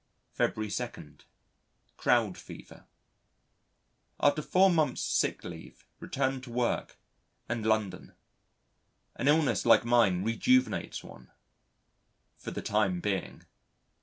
February 2. Crowd Fever After four months' sick leave, returned to work and London. An illness like mine rejuvenates one for the time being!